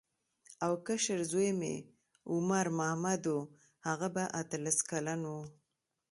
او کشر زوی مې عمر محمد و هغه به اتلس کلن و.